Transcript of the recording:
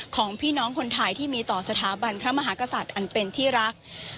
ของพี่น้องคนไทยที่มีต่อสถาบันพระมหากษัตริย์อันเป็นที่รัก